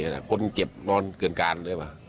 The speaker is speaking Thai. คนเกลียดนอนเกินกลางเลยว่ะ